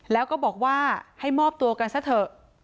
แล้วก็บอกว่าให้มอบตัวกันซะเถอะ